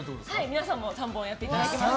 皆さんも３本やっていただきます。